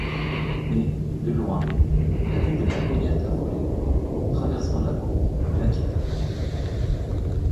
Mais, de loin, la vue de la Cognette, affolée, traversant la cour, l’inquiéta.